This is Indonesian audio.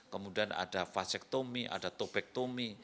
kemudian ada vasectomy ada topektomi